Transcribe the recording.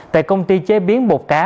tại công ty chế biến bột cá